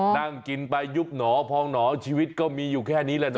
นั่งกินไปยุบหนอพองหนอชีวิตก็มีอยู่แค่นี้แหละเน